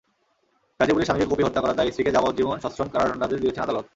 গাজীপুরে স্বামীকে কুপিয়ে হত্যা করার দায়ে স্ত্রীকে যাবজ্জীবন সশ্রম কারাদণ্ডাদেশ দিয়েছেন আদালত।